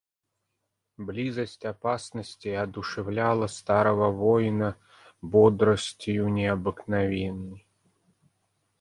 Близость опасности одушевляла старого воина бодростию необыкновенной.